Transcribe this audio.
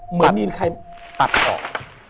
เหมือนมีใครตัดออก